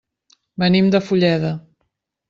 Venim de Fulleda.